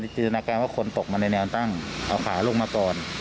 จินตนาการว่าคนตกมาในแนวตั้งเอาขาลงมาก่อน